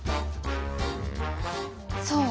そう。